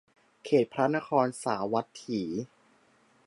เขตพระนครสาวัตถี